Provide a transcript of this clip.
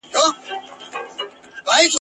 یو ګیدړ وو ډېر چالاکه په ځغستا وو ..